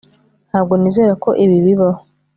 Ntabwo nizera ko ibi bibaho